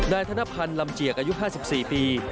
ธนพันธ์ลำเจียกอายุ๕๔ปี